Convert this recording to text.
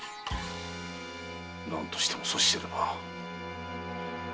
何としても阻止せねば！